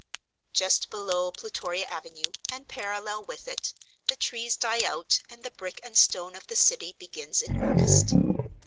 Just below Plutoria Avenue, and parallel with it, the trees die out and the brick and stone of the City begins in earnest.